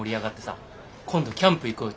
今度キャンプ行こうよってなった。